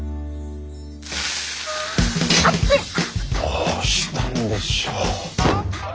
どうしたんでしょう？